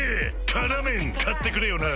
「辛麺」買ってくれよな！